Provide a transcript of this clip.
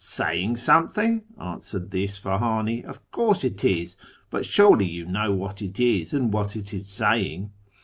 'Saying sometliiug !' answered the Isfaliiinf, 'Of course it is : but surely you know wliat it is, and wliat it is saying?'